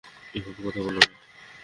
এভাবে কথা বলো না।